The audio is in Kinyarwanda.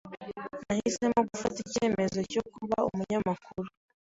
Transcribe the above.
Nahisemo gufata icyemezo cyo kuba umunyamakuru.